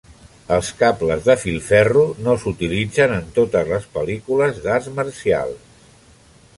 Els cables de filferro no s'utilitzen en totes les pel·lícules d'arts marcials.